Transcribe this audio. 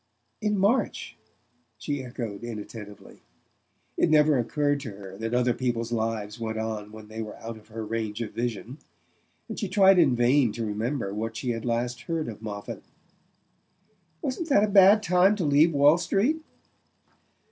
"In March?" she echoed inattentively. It never occurred to her that other people's lives went on when they were out of her range of vision, and she tried in vain to remember what she had last heard of Moffatt. "Wasn't that a bad time to leave Wall Street?"